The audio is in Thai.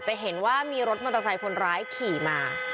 จะเห็นว่ามีรถมอเตอร์ไซค์คนร้ายขี่มา